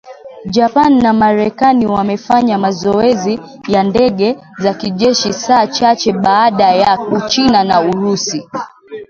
Japan na Marekani wamefanya mazoezi ya ndege za kijeshi saa chache baada ya Uchina na Urusi.